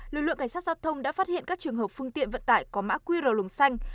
lực lượng cảnh sát giao thông đã phát hiện các trường hợp phương tiện vận tải có mã qr luồng xanh